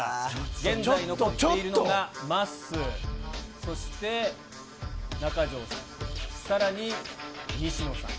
現在残っているのが、まっすー、そして、中条さん、さらに西野さん。